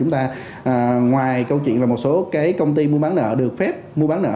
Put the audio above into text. ngoài câu chuyện là một số công ty mua bán nợ được phép mua bán nợ